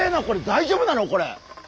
大丈夫なのこれ？